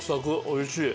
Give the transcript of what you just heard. おいしい。